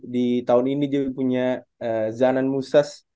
di tahun ini dia punya zanan musas